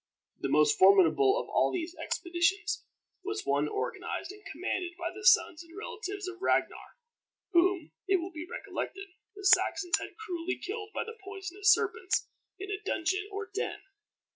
The most formidable of all these expeditions was one organized and commanded by the sons and relatives of Ragnar, whom, it will be recollected, the Saxons had cruelly killed by poisonous serpents in a dungeon or den.